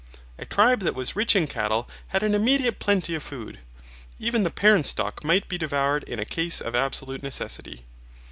A tribe that was rich in cattle had an immediate plenty of food. Even the parent stock might be devoured in a case of absolute necessity.